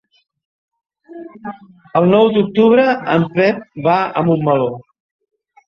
El nou d'octubre en Pep va a Montmeló.